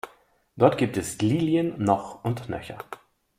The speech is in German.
Dort gibt es Lilien noch und nöcher.